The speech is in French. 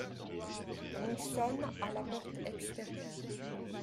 On sonne à la porte extérieure.